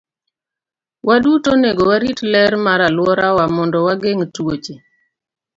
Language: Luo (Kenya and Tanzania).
Waduto onego warit ler mar alworawa mondo wageng' tuoche.